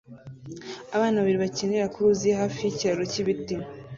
Abana babiri bakinira mu ruzi hafi yikiraro cyibiti